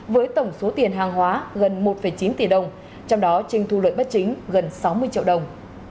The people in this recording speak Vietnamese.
với tổng số tiền hàng hóa gần một chín tỷ đồng trong đó trinh thu lợi bất chính gần sáu mươi triệu đồng